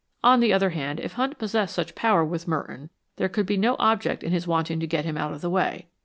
On the other hand, if Hunt possessed such power with Merton there could be no object in his wanting to get him out of the way.